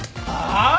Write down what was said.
ああ！？